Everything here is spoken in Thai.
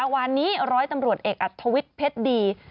วันนี้ร้อยตำรวจเอกอัธวิทย์เพชรดี